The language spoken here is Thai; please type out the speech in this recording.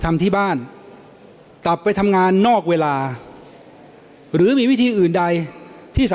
ทำที่บ้านอย่าตลาดไปทำงานนอกเวลาหรือมีวิธีอื่นใด